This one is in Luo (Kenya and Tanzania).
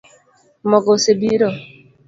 Mogo osebiro